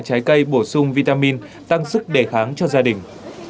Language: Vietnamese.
trái cây bổ sung vitamin tăng sức đề kháng cho gia đình